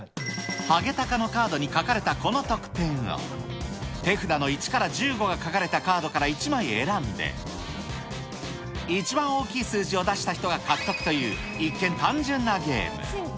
ハゲタカのカードに書かれたこの得点を、手札の１から１５が書かれたカードから１枚選んで、一番大きい数字を出した人が獲得という、一見、単純なゲーム。